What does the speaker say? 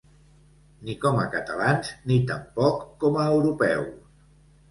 Ni com a catalans ni tampoc com a europeus.